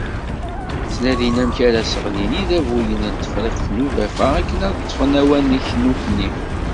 Ttnadin amek ara seɣlin idabuyen n Tefriqt n Ugafa akken ad ṭfen awanek nutni.